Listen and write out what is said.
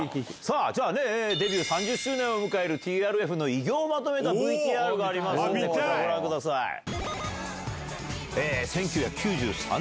さあ、じゃあね、デビュー３０周年を迎えるＴＲＦの偉業をまとめたＶＴＲがありま見たい。